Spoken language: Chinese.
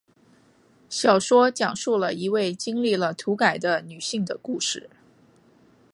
小说讲述了一位经历了土改的女性的故事。